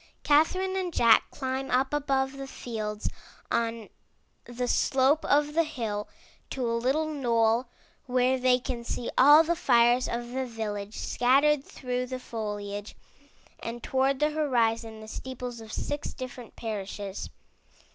Catherine and Jack climb up above the fields on 330 IN THE NURSERY the slope of the hill to a little knoll where they can see all the fires of the village scattered through the foliage, and toward the horizon the steeples of six different parishes.